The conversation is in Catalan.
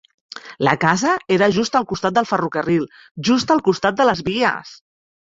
La casa era just al costat del ferrocarril, just al costat de les vies.